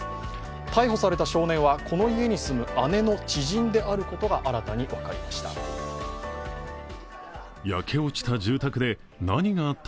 逮捕された少年はこの家に住む姉の知人であることが新たに分かりました。